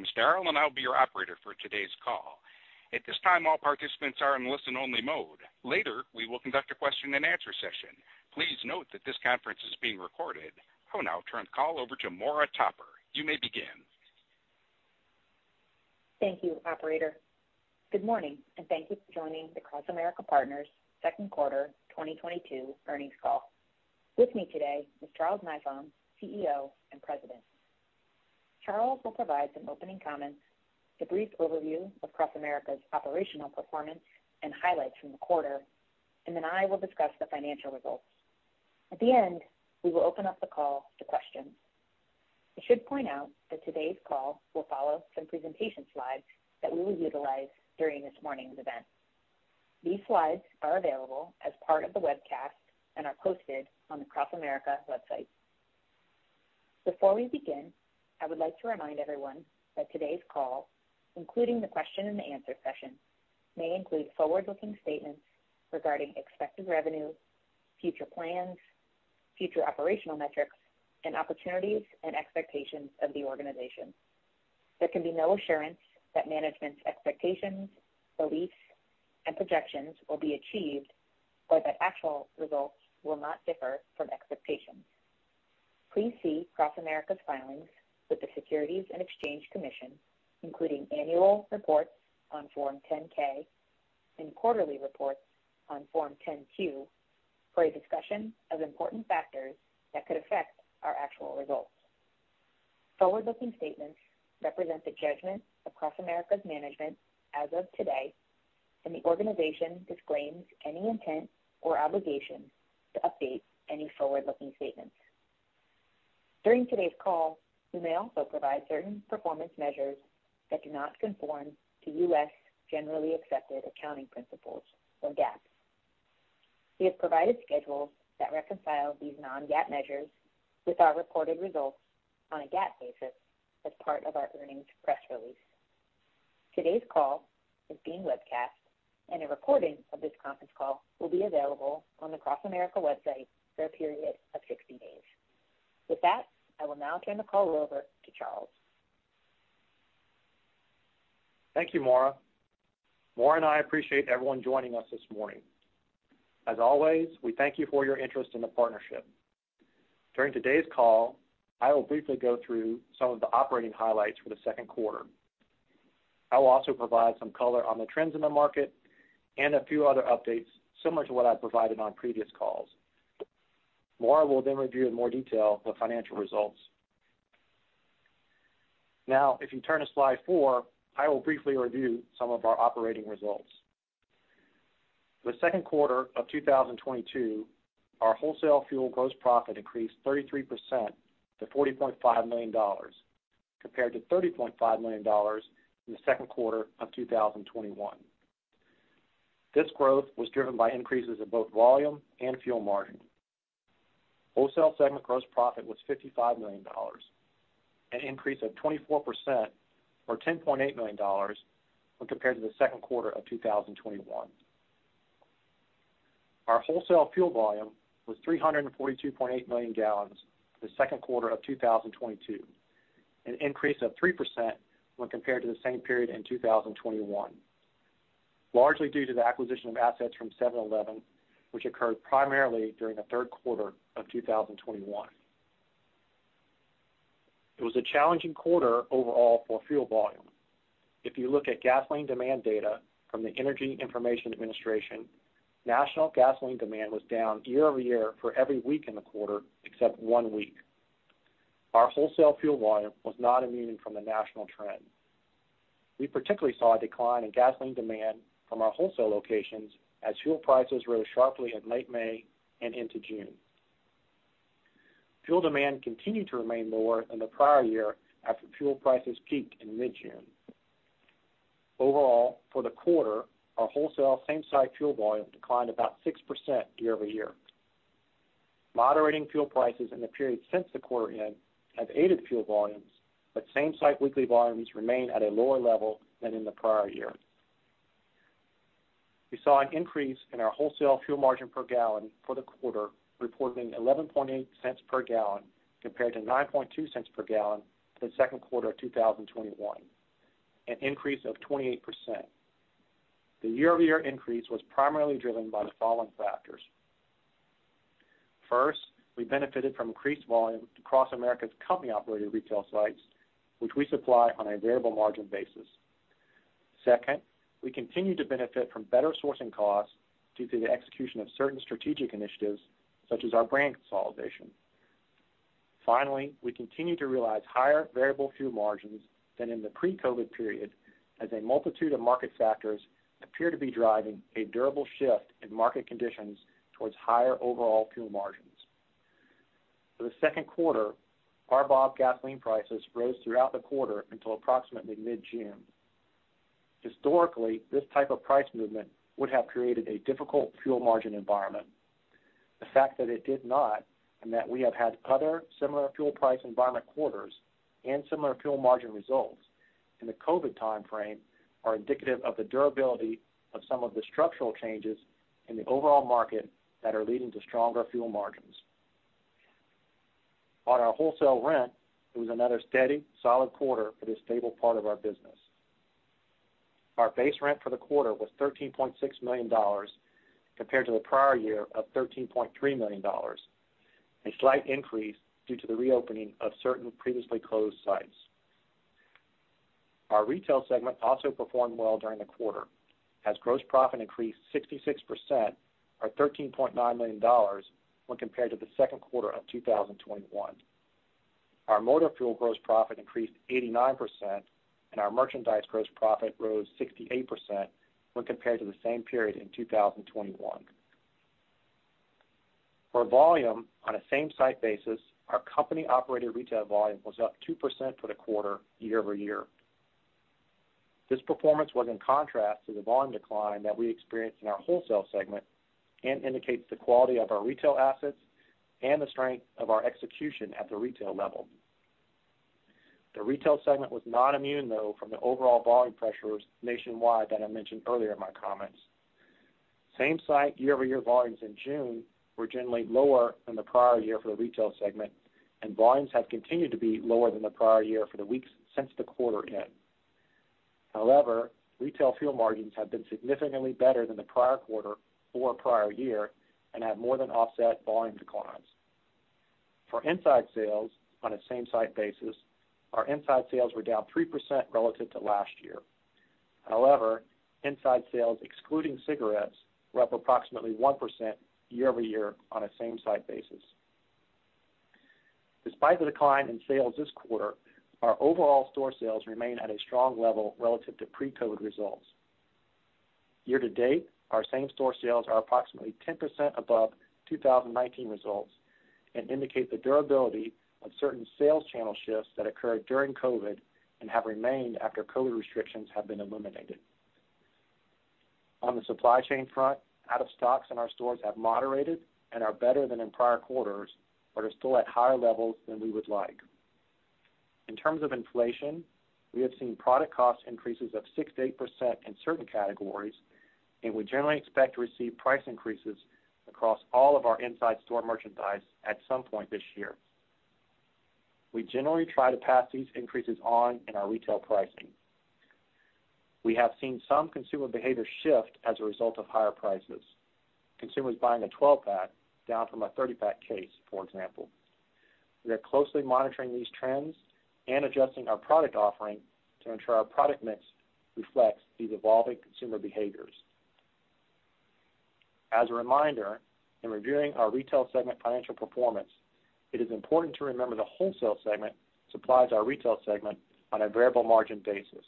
I'm Darrell, and I'll be your operator for today's call. At this time, all participants are in listen only mode. Later, we will conduct a question and answer session. Please note that this conference is being recorded. I will now turn the call over to Maura Topper. You may begin. Thank you, operator. Good morning, and thank you for joining the CrossAmerica Partners second quarter 2022 earnings call. With me today is Charles Nifong, CEO and President. Charles will provide some opening comments, a brief overview of CrossAmerica's operational performance and highlights from the quarter, and then I will discuss the financial results. At the end, we will open up the call to questions. I should point out that today's call will follow some presentation slides that we will utilize during this morning's event. These slides are available as part of the webcast and are posted on the CrossAmerica website. Before we begin, I would like to remind everyone that today's call, including the question and answer session, may include forward-looking statements regarding expected revenue, future plans, future operational metrics, and opportunities and expectations of the organization. There can be no assurance that management's expectations, beliefs, and projections will be achieved or that actual results will not differ from expectations. Please see CrossAmerica's filings with the Securities and Exchange Commission, including annual reports on Form 10-K and quarterly reports on Form 10-Q, for a discussion of important factors that could affect our actual results. Forward-looking statements represent the judgment of CrossAmerica's management as of today, and the organization disclaims any intent or obligation to update any forward-looking statements. During today's call, we may also provide certain performance measures that do not conform to U.S. generally accepted accounting principles, or GAAP. We have provided schedules that reconcile these non-GAAP measures with our reported results on a GAAP basis as part of our earnings press release. Today's call is being webcast, and a recording of this conference call will be available on the CrossAmerica website for a period of 60 days. With that, I will now turn the call over to Charles. Thank you, Maura. Maura and I appreciate everyone joining us this morning. As always, we thank you for your interest in the partnership. During today's call, I will briefly go through some of the operating highlights for the second quarter. I will also provide some color on the trends in the market and a few other updates similar to what I've provided on previous calls. Maura will then review in more detail the financial results. Now, if you turn to slide four, I will briefly review some of our operating results. The second quarter of 2022, our wholesale fuel gross profit increased 33% to $40.5 million, compared to $30.5 million in the second quarter of 2021. This growth was driven by increases in both volume and fuel margin. Wholesale segment gross profit was $55 million, an increase of 24% or $10.8 million when compared to the second quarter of 2021. Our wholesale fuel volume was 342.8 million gal for the second quarter of 2022, an increase of 3% when compared to the same period in 2021, largely due to the acquisition of assets from 7-Eleven, which occurred primarily during the third quarter of 2021. It was a challenging quarter overall for fuel volume. If you look at gasoline demand data from the Energy Information Administration, national gasoline demand was down year-over-year for every week in the quarter except one week. Our wholesale fuel volume was not immune from the national trend. We particularly saw a decline in gasoline demand from our wholesale locations as fuel prices rose sharply in late May and into June. Fuel demand continued to remain lower than the prior year after fuel prices peaked in mid-June. Overall, for the quarter, our wholesale same-site fuel volume declined about 6% year-over-year. Moderating fuel prices in the period since the quarter end have aided fuel volumes, but same-site weekly volumes remain at a lower level than in the prior year. We saw an increase in our wholesale fuel margin per gal for the quarter, reporting $0.118 per gal compared to $0.092 per gal for the second quarter of 2021, an increase of 28%. The year-over-year increase was primarily driven by the following factors. First, we benefited from increased volume to CrossAmerica's company-operated retail sites, which we supply on a variable margin basis. Second, we continue to benefit from better sourcing costs due to the execution of certain strategic initiatives, such as our brand consolidation. Finally, we continue to realize higher variable fuel margins than in the pre-COVID period, as a multitude of market factors appear to be driving a durable shift in market conditions towards higher overall fuel margins. For the second quarter, our bulk gasoline prices rose throughout the quarter until approximately mid-June. Historically, this type of price movement would have created a difficult fuel margin environment. The fact that it did not, and that we have had other similar fuel price environment quarters and similar fuel margin results in the COVID time frame, are indicative of the durability of some of the structural changes in the overall market that are leading to stronger fuel margins. On our wholesale rent, it was another steady, solid quarter for this stable part of our business. Our base rent for the quarter was $13.6 million compared to the prior year of $13.3 million, a slight increase due to the reopening of certain previously closed sites. Our retail segment also performed well during the quarter as gross profit increased 66% or $13.9 million when compared to the second quarter of 2021. Our motor fuel gross profit increased 89%, and our merchandise gross profit rose 68% when compared to the same period in 2021. For volume on a same-site basis, our company-operated retail volume was up 2% for the quarter year-over-year. This performance was in contrast to the volume decline that we experienced in our wholesale segment and indicates the quality of our retail assets and the strength of our execution at the retail level. The retail segment was not immune, though, from the overall volume pressures nationwide that I mentioned earlier in my comments. Same-site year-over-year volumes in June were generally lower than the prior year for the retail segment, and volumes have continued to be lower than the prior year for the weeks since the quarter end. However, retail fuel margins have been significantly better than the prior quarter or prior year and have more than offset volume declines. For inside sales on a same-site basis, our inside sales were down 3% relative to last year. However, inside sales, excluding cigarettes, were up approximately 1% year-over-year on a same-site basis. Despite the decline in sales this quarter, our overall store sales remain at a strong level relative to pre-COVID results. Year to date, our same store sales are approximately 10% above 2019 results and indicate the durability of certain sales channel shifts that occurred during COVID and have remained after COVID restrictions have been eliminated. On the supply chain front, out of stocks in our stores have moderated and are better than in prior quarters but are still at higher levels than we would like. In terms of inflation, we have seen product cost increases of 6%-8% in certain categories, and we generally expect to receive price increases across all of our inside store merchandise at some point this year. We generally try to pass these increases on in our retail pricing. We have seen some consumer behavior shift as a result of higher prices. Consumers buying a 12-pack down from a 30-pack case, for example. We are closely monitoring these trends and adjusting our product offering to ensure our product mix reflects these evolving consumer behaviors. As a reminder, in reviewing our retail segment financial performance, it is important to remember the wholesale segment supplies our retail segment on a variable margin basis,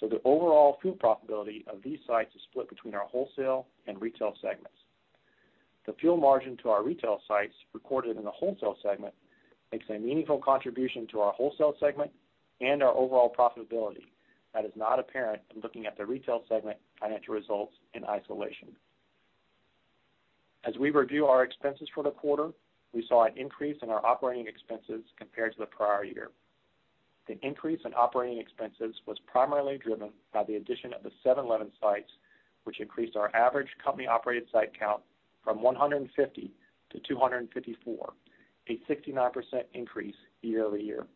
so the overall fuel profitability of these sites is split between our wholesale and retail segments. The fuel margin to our retail sites recorded in the wholesale segment makes a meaningful contribution to our wholesale segment and our overall profitability that is not apparent in looking at the retail segment financial results in isolation. As we review our expenses for the quarter, we saw an increase in our operating expenses compared to the prior year. The increase in operating expenses was primarily driven by the addition of the 7-Eleven sites, which increased our average company-operated site count from 150 to 254, a 69% increase year-over-year.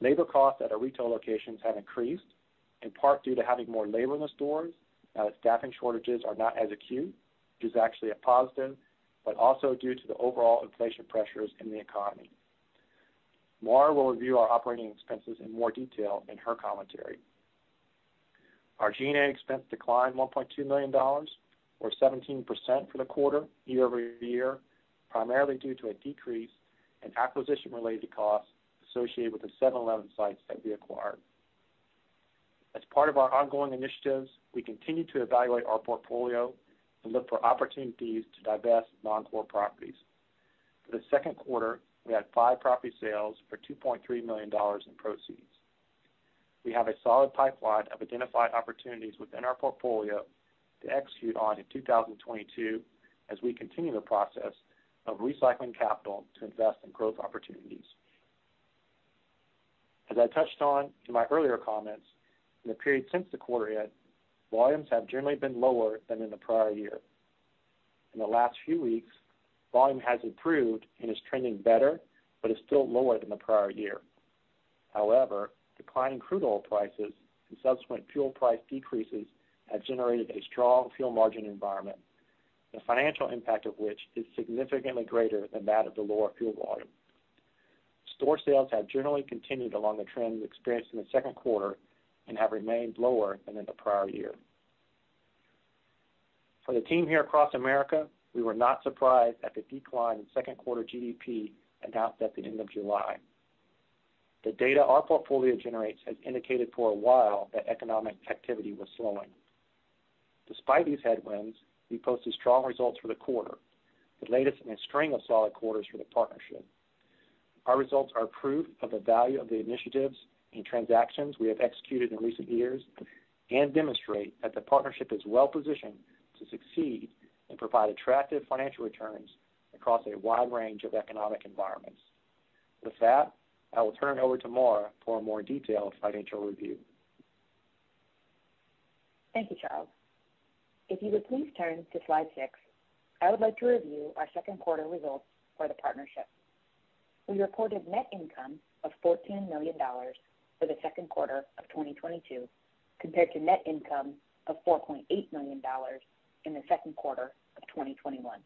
Labor costs at our retail locations have increased, in part due to having more labor in the stores now that staffing shortages are not as acute, which is actually a positive, but also due to the overall inflation pressures in the economy. Maura will review our operating expenses in more detail in her commentary. Our G&A expense declined $1.2 million, or 17% for the quarter, year-over-year, primarily due to a decrease in acquisition-related costs associated with the 7-Eleven sites that we acquired. As part of our ongoing initiatives, we continue to evaluate our portfolio and look for opportunities to divest non-core properties. For the second quarter, we had five property sales for $2.3 million in proceeds. We have a solid pipeline of identified opportunities within our portfolio to execute on in 2022 as we continue the process of recycling capital to invest in growth opportunities. As I touched on in my earlier comments, in the period since the quarter end, volumes have generally been lower than in the prior year. In the last few weeks, volume has improved and is trending better, but is still lower than the prior year. However, declining crude oil prices and subsequent fuel price decreases have generated a strong fuel margin environment, the financial impact of which is significantly greater than that of the lower fuel volume. Store sales have generally continued along the trends experienced in the second quarter and have remained lower than in the prior year. For the team here at CrossAmerica, we were not surprised at the decline in second quarter GDP announced at the end of July. The data our portfolio generates has indicated for a while that economic activity was slowing. Despite these headwinds, we posted strong results for the quarter, the latest in a string of solid quarters for the partnership. Our results are proof of the value of the initiatives and transactions we have executed in recent years and demonstrate that the partnership is well positioned to succeed and provide attractive financial returns across a wide range of economic environments. With that, I will turn it over to Maura for a more detailed financial review. Thank you, Charles. If you would please turn to slide six, I would like to review our second quarter results for the partnership. We reported net income of $14 million for the second quarter of 2022, compared to net income of $4.8 million in the second quarter of 2021.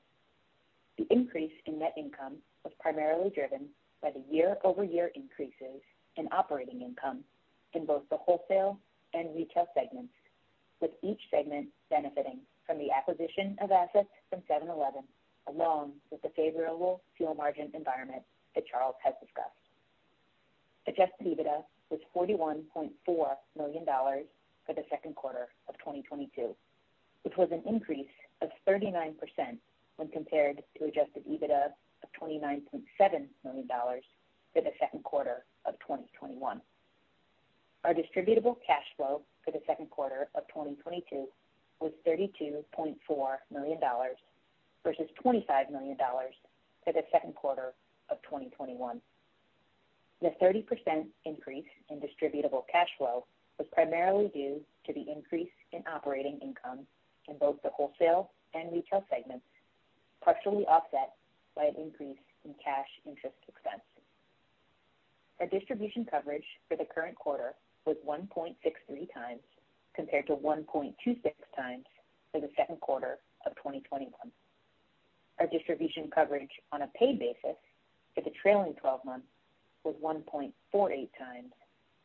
The increase in net income was primarily driven by the year-over-year increases in operating income in both the wholesale and retail segments, with each segment benefiting from the acquisition of assets from 7-Eleven, along with the favorable fuel margin environment that Charles has discussed. Adjusted EBITDA was $41.4 million for the second quarter of 2022, which was an increase of 39% when compared to adjusted EBITDA of $29.7 million for the second quarter of 2021. Our distributable cash flow for the second quarter of 2022 was $32.4 million versus $25 million for the second quarter of 2021. The 30% increase in distributable cash flow was primarily due to the increase in operating income in both the wholesale and retail segments, partially offset by an increase in cash interest expense. Our distribution coverage for the current quarter was 1.63x compared to 1.26x for the second quarter of 2021. Our distribution coverage on a paid basis for the trailing twelve months was 1.48x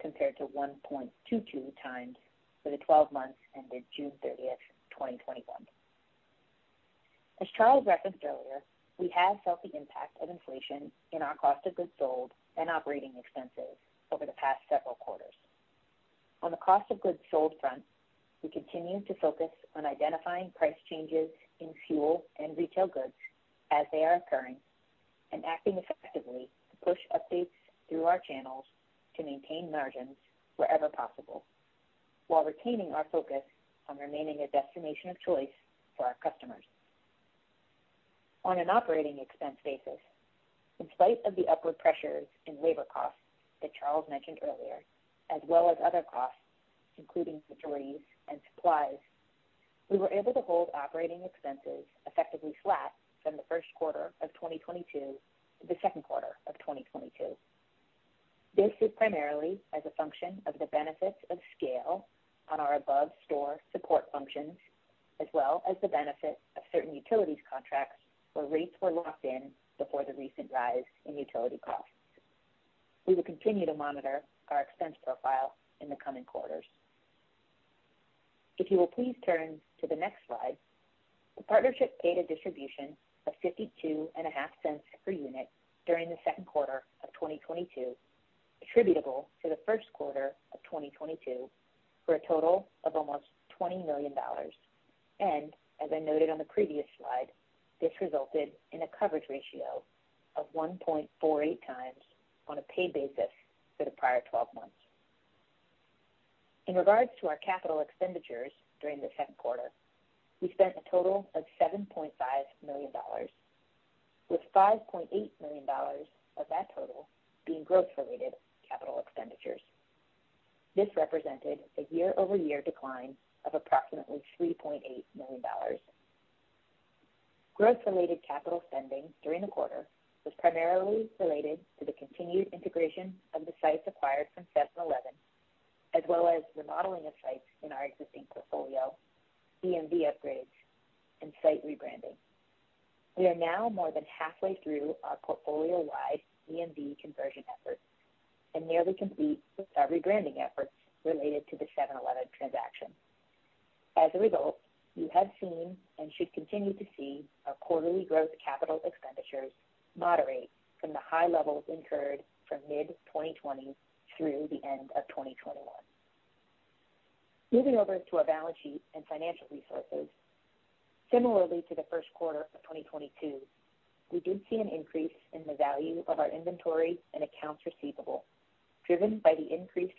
compared to 1.22x for the twelve months ended June 30th, 2021. As Charles referenced earlier, we have felt the impact of inflation in our cost of goods sold and operating expenses over the past several quarters. On the cost of goods sold front, we continue to focus on identifying price changes in fuel and retail goods as they are occurring and acting effectively to push updates through our channels to maintain margins wherever possible, while retaining our focus on remaining a destination of choice for our customers. On an operating expense basis, in spite of the upward pressures in labor costs that Charles mentioned earlier, as well as other costs, including janitorial and supplies, we were able to hold operating expenses effectively flat from the first quarter of 2022 to the second quarter of 2022. This is primarily as a function of the benefits of scale on our above store support functions, as well as the benefit of certain utilities contracts where rates were locked in before the recent rise in utility costs. We will continue to monitor our expense profile in the coming quarters. If you will please turn to the next slide. The partnership paid a distribution of $0.525 per unit during the second quarter of 2022, attributable to the first quarter of 2022, for a total of almost $20 million. As I noted on the previous slide, this resulted in a coverage ratio of 1.48x on a paid basis for the prior 12 months. In regard to our capital expenditures during the second quarter, we spent a total of $7.5 million, with $5.8 million of that total being growth-related capital expenditures. This represented a year-over-year decline of approximately $3.8 million. Growth-related capital spending during the quarter was primarily related to the continued integration of the sites acquired from 7-Eleven, as well as remodeling of sites in our existing portfolio, EMV upgrades and site rebranding. We are now more than halfway through our portfolio-wide EMV conversion efforts and nearly complete with our rebranding efforts related to the 7-Eleven transaction. As a result, you have seen and should continue to see our quarterly growth capital expenditures moderate from the high levels incurred from mid-2020 through the end of 2021. Moving over to our balance sheet and financial resources. Similarly to the first quarter of 2022, we did see an increase in the value of our inventory and accounts receivable, driven by the increased price of motor fuel over the course of the quarter, as well as a related increase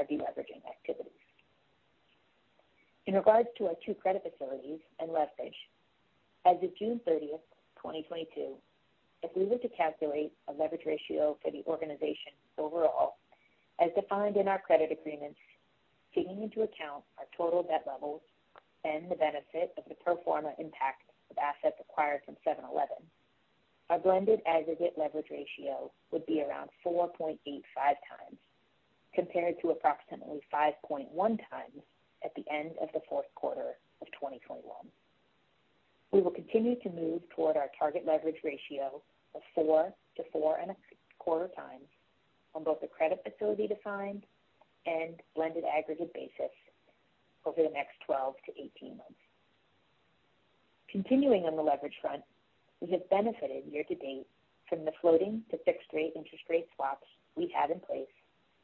in our accounts payable balances. As is typical in our industry, our current liabilities are greater than our current assets due to the longer settlement time frames for real estate and motor fuel taxes as compared to the shorter settlement of receivables and inventory turnover. Given the increase in the price of motor fuel over the course of the year to date, we have seen a usage of net working capital, which we have been able to offset substantially due to our deleveraging activities. In regards to our two credit facilities and leverage, as of June 30th, 2022, if we were to calculate a leverage ratio for the organization overall, as defined in our credit agreements, taking into account our total debt levels and the benefit of the pro forma impact of assets acquired from 7-Eleven, our blended aggregate leverage ratio would be around 4.85x, compared to approximately 5.1x at the end of the fourth quarter of 2021. We will continue to move toward our target leverage ratio of 4x-4.25x on both the credit facility defined and blended aggregate basis over the next 12-18 months. Continuing on the leverage front, we have benefited year to date from the floating to fixed rate interest rate swaps we have in place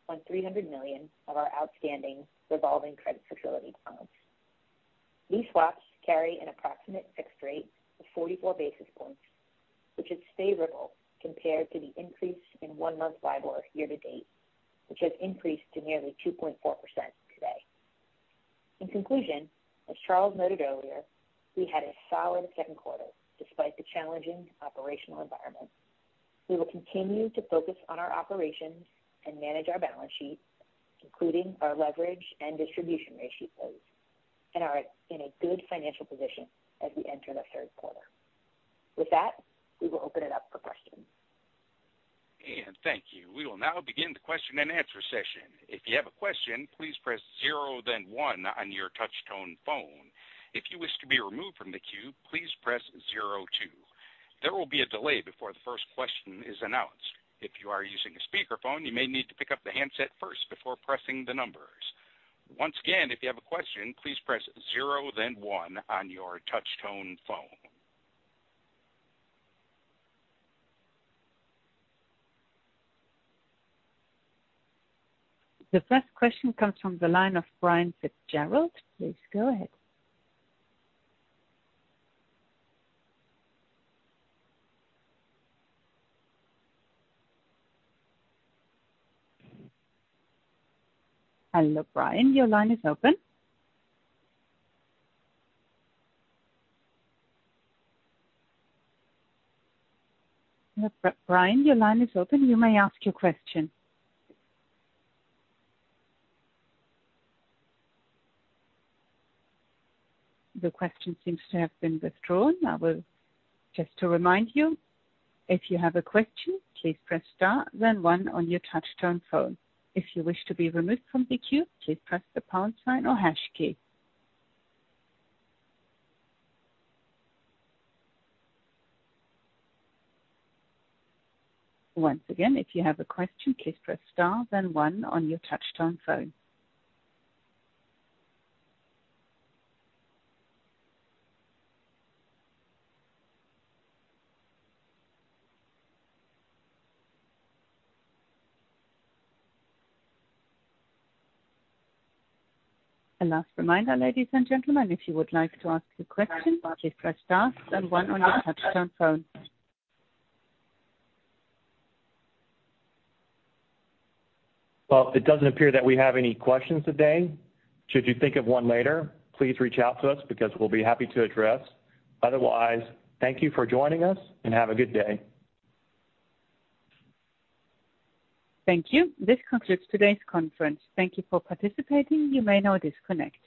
on $300 million of our outstanding revolving credit facility loans. These swaps carry an approximate fixed rate of 44 basis points, which is favorable compared to the increase in one month LIBOR year to date, which has increased to nearly 2.4% today. In conclusion, as Charles noted earlier, we had a solid second quarter despite the challenging operational environment. We will continue to focus on our operations and manage our balance sheet, including our leverage and distribution ratio goals, and are in a good financial position as we enter the third quarter. With that, we will open it up for questions. Thank you. We will now begin the question and answer session. If you have a question, please press zero, then one on your touch-tone phone. If you wish to be removed from the queue, please press zero two. There will be a delay before the first question is announced. If you are using a speakerphone, you may need to pick up the handset first before pressing the numbers. Once again, if you have a question, please press zero, then one on your touch-tone phone. The first question comes from the line of Brian Fitzgerald. Please go ahead. Hello, Brian, your line is open. Brian, your line is open. You may ask your question. The question seems to have been withdrawn. Just to remind you, if you have a question, please press star then one on your touch-tone phone. If you wish to be removed from the queue, please press the pound sign or hash key. Once again, if you have a question, please press star then one on your touch-tone phone. A last reminder, ladies and gentlemen, if you would like to ask a question, please press star then one on your touch-tone phone. Well, it doesn't appear that we have any questions today. Should you think of one later, please reach out to us because we'll be happy to address. Otherwise, thank you for joining us, and have a good day. Thank you. This concludes today's conference. Thank you for participating. You may now disconnect.